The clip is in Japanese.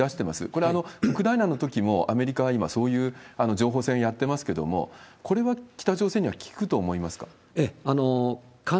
これはウクライナのときも、アメリカは今、そういう情報戦をやってますけれども、これは北朝鮮には効くと思いますか？